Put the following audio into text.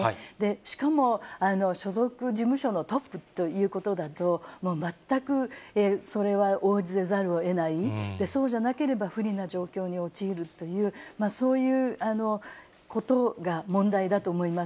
しかも所属事務所のトップということだと、もう全くそれは応ぜざるをえない、そうじゃなければ不利な状況に陥るという、そういうことが問題だと思います。